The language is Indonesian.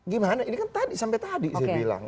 gimana ini kan tadi sampai tadi saya bilang